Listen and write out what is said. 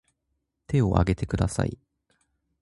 手を挙げてください